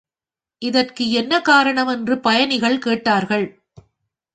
இதற்கு என்ன காரணம் என்று பயணிகள் கேட்டார்கள்.